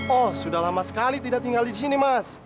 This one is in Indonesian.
oh sudah lama sekali tidak tinggal di sini mas